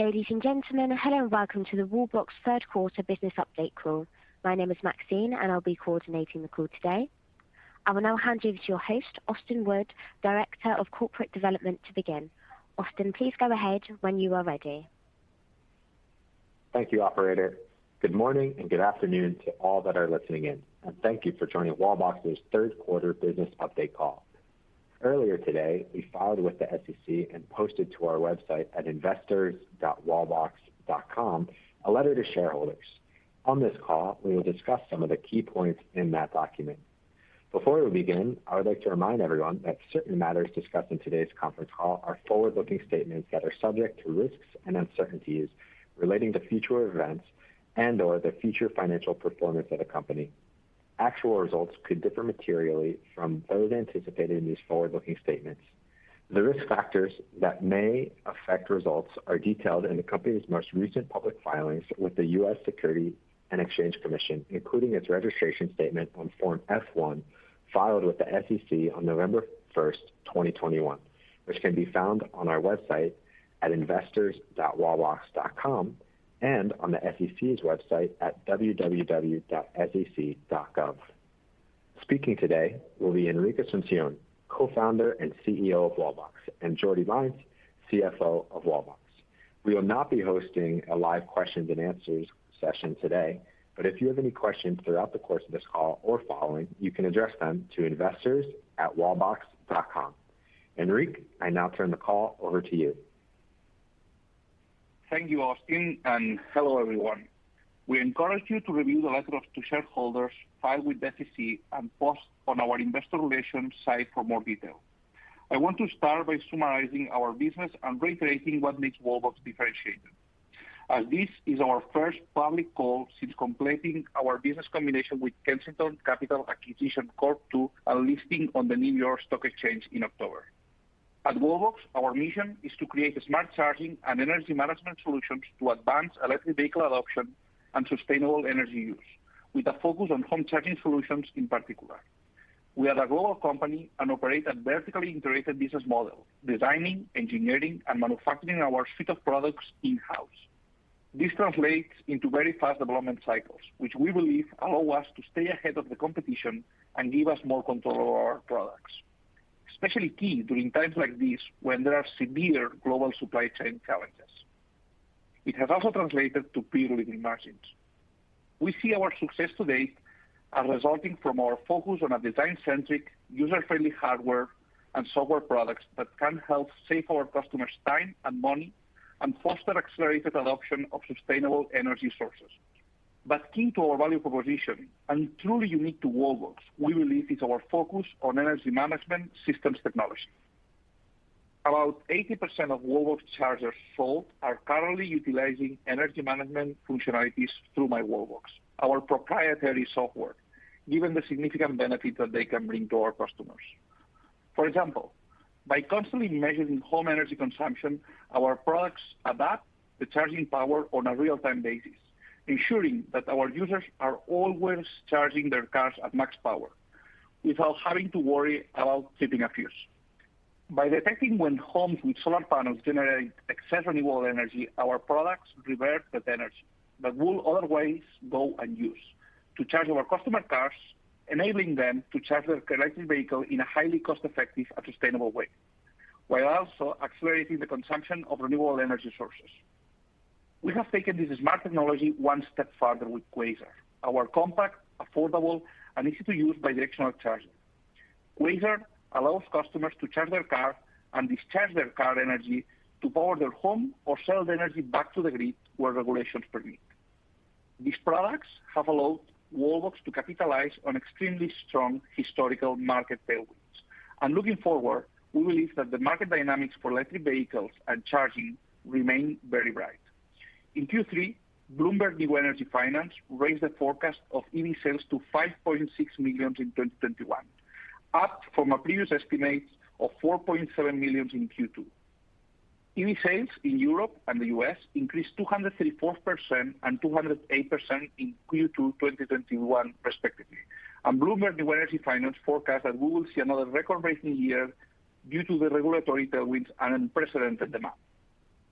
Ladies and gentlemen, hello and welcome to the Wallbox third quarter business update call. My name is Maxine and I'll be coordinating the call today. I will now hand you to your host, Austin Wood, Director of Corporate Development, to begin. Austin, please go ahead when you are ready. Thank you, operator. Good morning and good afternoon to all that are listening in. Thank you for joining Wallbox's third quarter business update call. Earlier today, we filed with the SEC and posted to our website at investors.wallbox.com a letter to shareholders. On this call, we will discuss some of the key points in that document. Before we begin, I would like to remind everyone that certain matters discussed in today's conference call are forward-looking statements that are subject to risks and uncertainties relating to future events and/or the future financial performance of the company. Actual results could differ materially from those anticipated in these forward-looking statements. The risk factors that may affect results are detailed in the company's most recent public filings with the U.S. Securities and Exchange Commission, including its registration statement on Form F-1, filed with the SEC on November 1ST, 2021, which can be found on our website at investors.wallbox.com and on the SEC's website at www.sec.gov. Speaking today will be Enric Asunción, Co-Founder and CEO of Wallbox, and Jordi Lainz, CFO of Wallbox. We will not be hosting a live questions and answers session today, but if you have any questions throughout the course of this call or following, you can address them to investors@wallbox.com. Enric, I now turn the call over to you. Thank you, Austin, and hello everyone. We encourage you to review the letter to shareholders filed with the SEC and post on our investor relations site for more detail. I want to start by summarizing our business and reiterating what makes Wallbox differentiated. This is our first public call since completing our business combination with Kensington Capital Acquisition Corp. II, and listing on the New York Stock Exchange in October. At Wallbox, our mission is to create smart charging and energy management solutions to advance electric vehicle adoption and sustainable energy use, with a focus on home charging solutions in particular. We are a global company and operate a vertically integrated business model, designing, engineering and manufacturing our suite of products in-house. This translates into very fast development cycles, which we believe allow us to stay ahead of the competition and give us more control over our products, especially key during times like these when there are severe global supply chain challenges. It has also translated to peer-leading margins. We see our success today as resulting from our focus on a design-centric, user-friendly hardware and software products that can help save our customers time and money and foster accelerated adoption of sustainable energy sources. Key to our value proposition and truly unique to Wallbox, we believe, is our focus on energy management systems technology. About 80% of Wallbox chargers sold are currently utilizing energy management functionalities through myWallbox, our proprietary software, given the significant benefit that they can bring to our customers. For example, by constantly measuring home energy consumption, our products adapt the charging power on a real-time basis, ensuring that our users are always charging their cars at max power without having to worry about tripping a fuse. By detecting when homes with solar panels generate excess renewable energy, our products revert that energy that will otherwise go unused to charge our customer cars, enabling them to charge their electric vehicle in a highly cost-effective and sustainable way, while also accelerating the consumption of renewable energy sources. We have taken this smart technology one step further with Quasar, our compact, affordable, and easy to use bidirectional charger. Quasar allows customers to charge their car and discharge their car energy to power their home or sell the energy back to the grid where regulations permit. These products have allowed Wallbox to capitalize on extremely strong historical market tailwinds. Looking forward, we believe that the market dynamics for electric vehicles and charging remain very bright. In Q3, Bloomberg New Energy Finance raised the forecast of EV sales to $5.6 million in 2021, up from a previous estimate of $4.7 million in Q2. EV sales in Europe and the U.S. increased 234% and 208% in Q2 2021 respectively. Bloomberg New Energy Finance forecast that we will see another record-breaking year due to the regulatory tailwinds and unprecedented demand.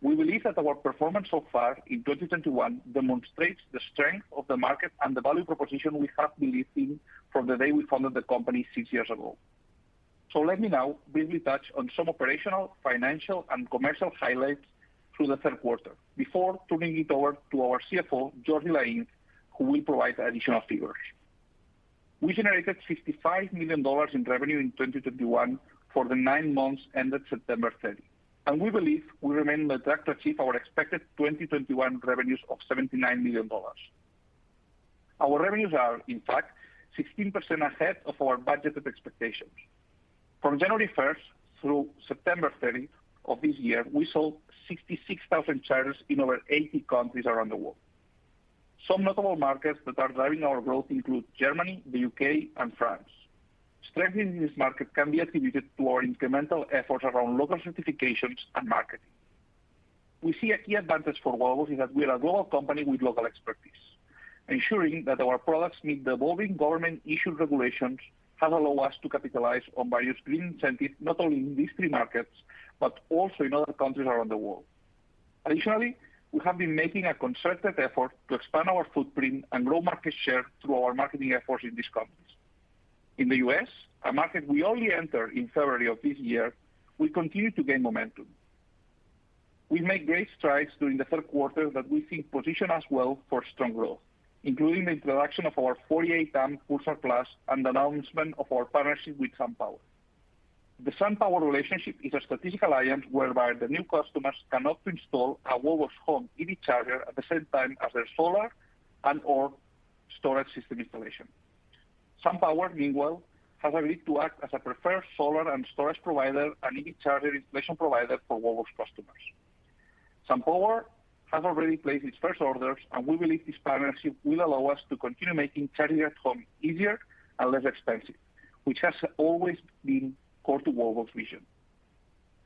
We believe that our performance so far in 2021 demonstrates the strength of the market and the value proposition we have believed in from the day we founded the company six years ago. Let me now briefly touch on some operational, financial and commercial highlights through the third quarter before turning it over to our CFO, Jordi Lainz, who will provide additional figures. We generated $55 million in revenue in 2021 for the nine months ended September 30, and we believe we remain on track to achieve our expected 2021 revenues of $79 million. Our revenues are in fact 16% ahead of our budgeted expectations. From January 1 through September 30 of this year, we sold 66,000 chargers in over 80 countries around the world. Some notable markets that are driving our growth include Germany, the U.K. and France. Strength in this market can be attributed to our incremental efforts around local certifications and marketing. We see a key advantage for Wallbox is that we are a global company with local expertise. Ensuring that our products meet the evolving government-issued regulations has allowed us to capitalize on various green incentives, not only in these three markets, but also in other countries around the world. Additionally, we have been making a concerted effort to expand our footprint and grow market share through our marketing efforts in these countries. In the U.S., a market we only entered in February of this year, we continue to gain momentum. We made great strides during the third quarter that we think position us well for strong growth, including the introduction of our 48-amp Pulsar Plus and the announcement of our partnership with SunPower. The SunPower relationship is a strategic alliance whereby the new customers can opt to install a Wallbox home EV charger at the same time as their solar and/or storage system installation. SunPower, meanwhile, has agreed to act as a preferred solar and storage provider and EV charger installation provider for Wallbox customers. SunPower has already placed its first orders, and we believe this partnership will allow us to continue making charging at home easier and less expensive, which has always been core to Wallbox vision.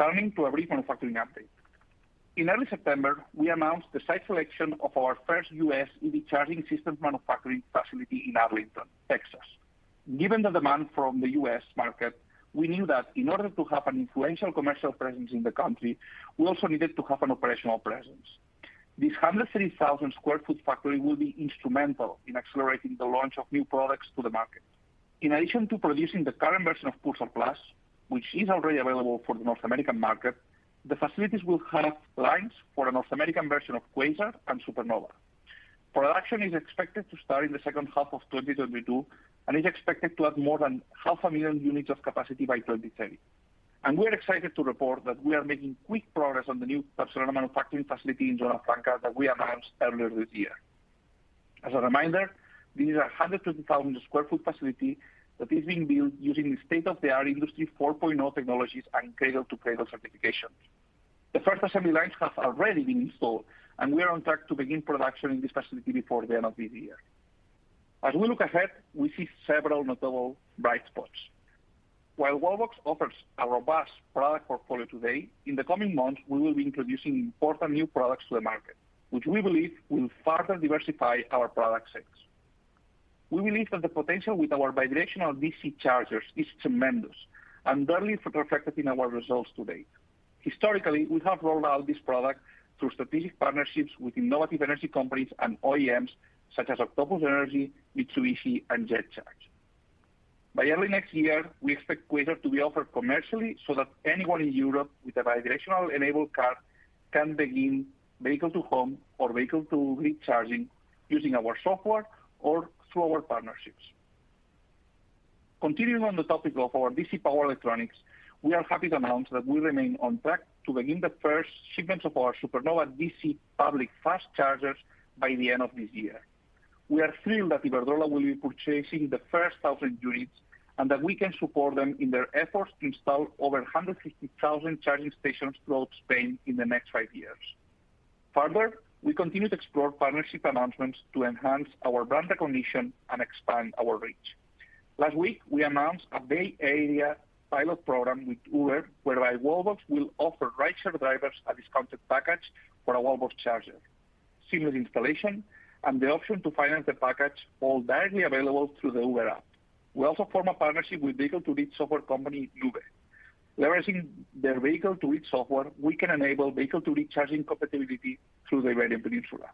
Turning to a brief manufacturing update. In early September, we announced the site selection of our first U.S. EV charging system manufacturing facility in Arlington, Texas. Given the demand from the U.S. market, we knew that in order to have an influential commercial presence in the country, we also needed to have an operational presence. This 103,000 sq ft factory will be instrumental in accelerating the launch of new products to the market. In addition to producing the current version of Pulsar Plus, which is already available for the North American market, the facilities will have lines for a North American version of Quasar and Supernova. Production is expected to start in the second half of 2022, and is expected to have more than 500,000 units of capacity by 2030. We're excited to report that we are making quick progress on the new Barcelona manufacturing facility in Zona Franca that we announced earlier this year. As a reminder, this is a 120,000 sq ft facility that is being built using state-of-the-art Industry 4.0 technologies and cradle-to-cradle certifications. The first assembly lines have already been installed, and we are on track to begin production in this facility before the end of this year. As we look ahead, we see several notable bright spots. While Wallbox offers a robust product portfolio today, in the coming months, we will be introducing important new products to the market, which we believe will further diversify our product sets. We believe that the potential with our bidirectional DC chargers is tremendous and barely reflected in our results to date. Historically, we have rolled out this product through strategic partnerships with innovative energy companies and OEMs such as Octopus Energy, Mitsubishi, and JET Charge. By early next year, we expect Quasar to be offered commercially so that anyone in Europe with a bidirectional enabled car can begin vehicle-to-home or vehicle-to-grid charging using our software or through our partnerships. Continuing on the topic of our DC power electronics, we are happy to announce that we remain on track to begin the first shipments of our Supernova DC public fast chargers by the end of this year. We are thrilled that Iberdrola will be purchasing the first 1,000 units, and that we can support them in their efforts to install over 150,000 charging stations throughout Spain in the next five years. Further, we continue to explore partnership announcements to enhance our brand recognition and expand our reach. Last week, we announced a Bay Area pilot program with Uber, whereby Wallbox will offer rideshare drivers a discounted package for a Wallbox charger, seamless installation, and the option to finance the package all directly available through the Uber app. We also formed a partnership with vehicle-to-grid software company Nuvve. Leveraging their vehicle-to-grid software, we can enable vehicle-to-grid charging compatibility through their GIVe platform.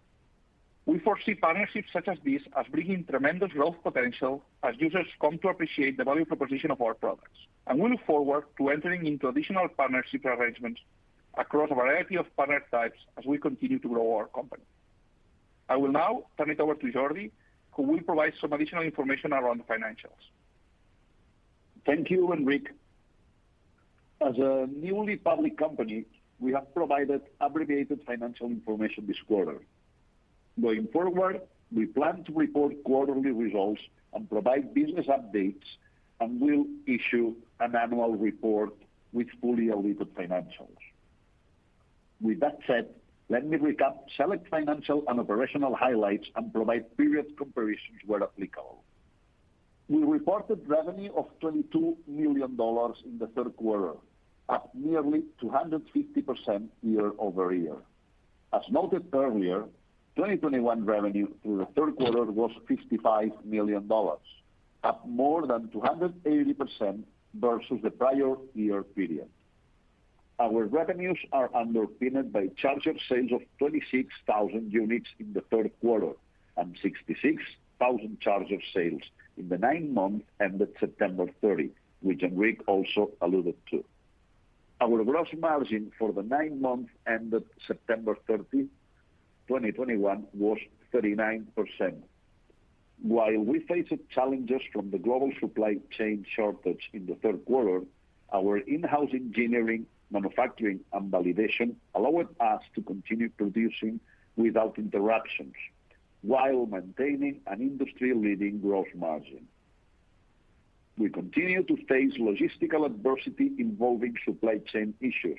We foresee partnerships such as this as bringing tremendous growth potential as users come to appreciate the value proposition of our products. We look forward to entering into additional partnership arrangements across a variety of partner types as we continue to grow our company. I will now turn it over to Jordi, who will provide some additional information around financials. Thank you, Enric. As a newly public company, we have provided abbreviated financial information this quarter. Going forward, we plan to report quarterly results and provide business updates, and we'll issue an annual report with fully audited financials. With that said, let me recap select financial and operational highlights and provide period comparisons where applicable. We reported revenue of $22 million in the third quarter, up nearly 250% year-over-year. As noted earlier, 2021 revenue through the third quarter was $55 million, up more than 280% versus the prior year period. Our revenues are underpinned by charger sales of 26,000 units in the third quarter, and 66,000 charger sales in the nine months ended September 30, which Enric also alluded to. Our gross margin for the nine months ended September 30, 2021 was 39%. While we faced challenges from the global supply chain shortage in the third quarter, our in-house engineering, manufacturing, and validation allowed us to continue producing without interruptions while maintaining an industry-leading gross margin. We continue to face logistical adversity involving supply chain issues,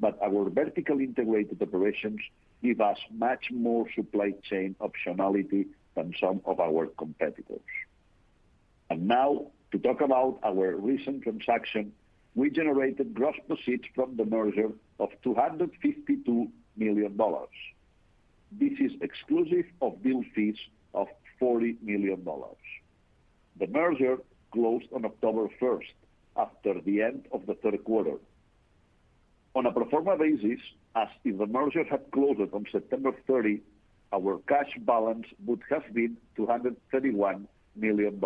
but our vertically integrated operations give us much more supply chain optionality than some of our competitors. Now to talk about our recent transaction. We generated gross proceeds from the merger of $252 million. This is exclusive of bill fees of $40 million. The merger closed on October 1z, after the end of the third quarter. On a pro forma basis, as if the merger had closed on September 30, our cash balance would have been $231 million.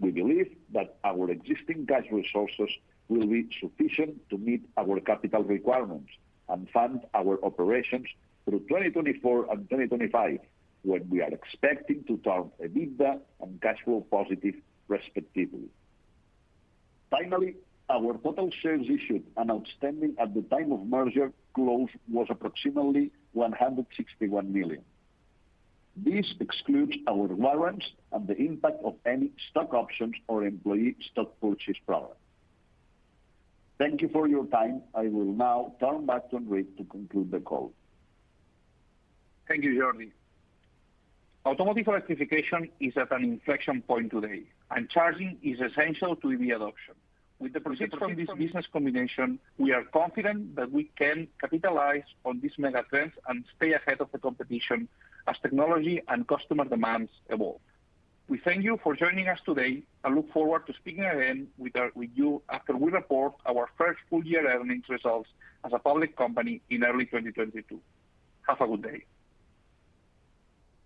We believe that our existing cash resources will be sufficient to meet our capital requirements and fund our operations through 2024 and 2025, when we are expecting to turn EBITDA and cash flow positive respectively. Finally, our total shares issued and outstanding at the time of merger close was approximately 161 million. This excludes our warrants and the impact of any stock options or employee stock purchase program. Thank you for your time. I will now turn back to Enric to conclude the call. Thank you, Jordi. Automotive electrification is at an inflection point today, and charging is essential to EV adoption. With the proceeds from this business combination, we are confident that we can capitalize on this mega trend and stay ahead of the competition as technology and customer demands evolve. We thank you for joining us today and look forward to speaking again with you after we report our first full-year earnings results as a public company in early 2022. Have a good day.